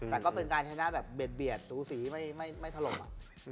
แต่ก็เป็นการชนะแบบเบียดสูสีไม่ถล่ม